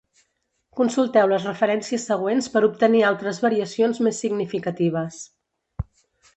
Consulteu les referències següents per obtenir altres variacions més significatives.